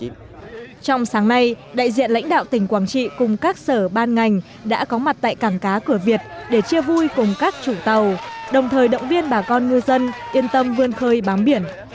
trong sáng nay đại diện lãnh đạo tỉnh quảng trị cùng các sở ban ngành đã có mặt tại cảng cá cửa việt để chia vui cùng các chủ tàu đồng thời động viên bà con ngư dân yên tâm vươn khơi bám biển